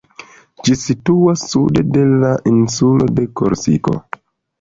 Ĝi situas sude de la insulo de Korsiko.